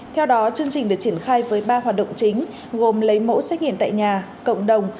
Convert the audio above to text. theo đó chương trình được triển khai với ba hoạt động chính gồm lấy mẫu xét nghiệm tại nhà cộng đồng